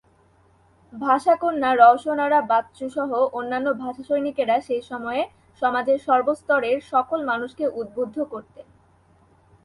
ভাষা কন্যা রওশন আরা বাচ্চু সহ অন্যান্য ভাষা সৈনিকেরা সেই সময়ে সমাজের সর্বস্তরের সকল মানুষকে উদ্বুদ্ধ করতেন।